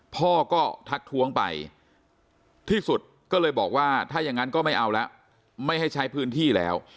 พ่อก็ทักท้วงไปที่สุดก็เลยบอกว่าถ้าอย่างนั้นก็ไม่เอาละไม่ให้ใช้พื้นที่แล้ว